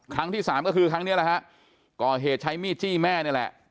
ครั้งที่สามก็คือครั้งนี้แหละฮะก่อเหตุใช้มีดจี้แม่นี่แหละ